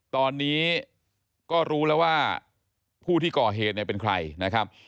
ตอนนี้ก็รู้แล้วว่าผู้ที่ก่อเหตุเนี่ยเป็นใครนะครับ